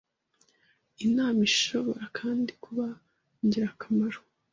inama Ishobora kandi kuba ingirakamaro